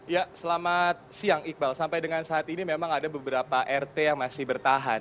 ya selamat siang iqbal sampai dengan saat ini memang ada beberapa rt yang masih bertahan